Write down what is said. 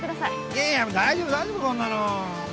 いやいや大丈夫大丈夫こんなの。